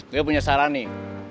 gue punya saran nih